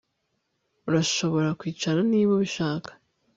Urashobora kwicara niba ubishaka